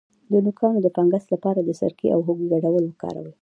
د نوکانو د فنګس لپاره د سرکې او هوږې ګډول وکاروئ